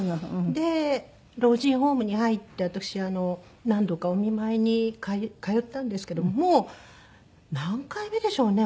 で老人ホームに入って私何度かお見舞いに通ったんですけどもう何回目でしょうね？